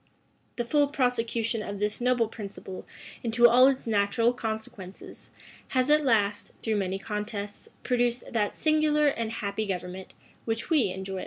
The full prosecution of this noble principle into all its natural consequences, has at last, through many contests, produced that singular and happy government which we enjoy at present.